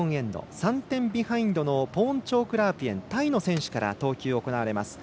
３点ビハインドのポーンチョーク・ラープイェンタイの選手から投球が行われます。